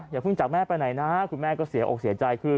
อย่าเพิ่งจากแม่ไปไหนนะคุณแม่ก็เสียอกเสียใจคือ